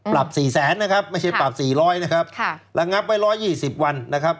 ปรับ๔๐๐ไม่ใช่ปรับ๔๐๐แล้วงับไว้๑๒๐วัน